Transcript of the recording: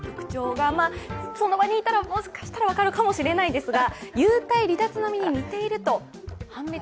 その場にいたら、もしかしたら分かるかもしれませんが。